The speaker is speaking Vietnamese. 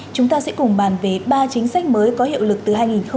chúng ta sẽ cùng bàn về ba chính sách mới có hiệu lực từ hai nghìn hai mươi hai